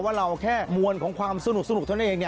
ว่าเราแค่มวลของความสนุกเท่านั้นเอง